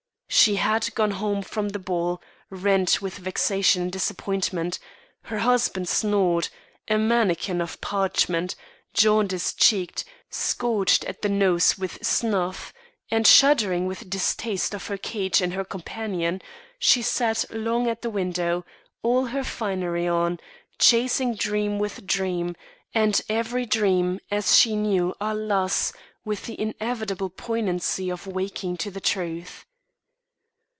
She had gone home from the ball rent with vexation and disappointment; her husband snored, a mannikin of parchment, jaundice cheeked, scorched at the nose with snuff; and, shuddering with distaste of her cage and her companion, she sat long at the window, all her finery on, chasing dream with dream, and every dream, as she knew, alas! with the inevitable poignancy of waking to the truth.